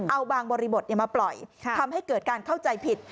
เอาบางบริบทมาปล่อยทำให้เกิดการเข้าใจผิด